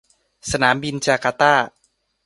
สนามบินจาการ์ตา